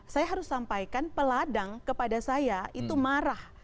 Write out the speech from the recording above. saya harus sampaikan peladang kepada saya itu marah